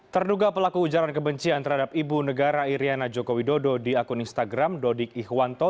terduga pelaku ujaran kebencian terhadap ibu negara iryana joko widodo di akun instagram dodik ihwanto